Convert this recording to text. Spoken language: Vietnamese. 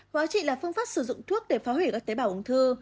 hóa trị là phương pháp sử dụng thuốc để phá hủy các tế bào ung thư